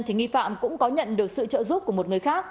thì nghi phạm cũng có nhận được sự trợ giúp của một người khác